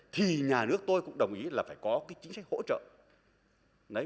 thì nhà nước tôi cũng đồng ý là phải có cái chính sách hỗ trợ